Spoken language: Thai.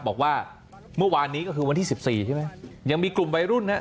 บอกว่าเมื่อวานนี้ก็คือวันที่สิบสี่ใช่ไหมยังมีกลุ่มวัยรุ่นฮะ